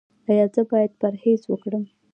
ایا زه باید پرهیز وکړم؟